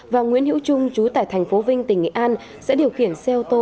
và nguyễn hiễu trung chú tại tp vinh tỉnh nghệ an sẽ điều khiển xe ô tô